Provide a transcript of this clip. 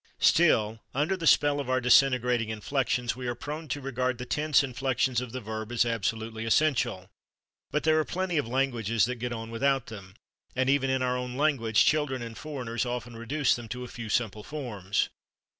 Still under the spell of our disintegrating inflections, we are prone to regard the tense inflections of the verb as absolutely essential, but there are plenty of languages that get on without them, and even in our own language children and foreigners often reduce them to a few simple forms.